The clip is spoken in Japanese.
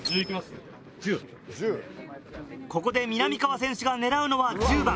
ここでみなみかわ選手が狙うのは１０番。